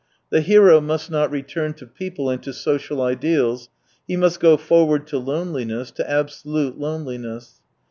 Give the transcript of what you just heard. The hero must not return to people and to social ideals. He must go forward to loneliness, to absolute loneliness.